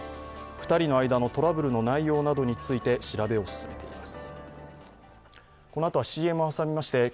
２人の間のトラブルの内容などについて調べを進めています。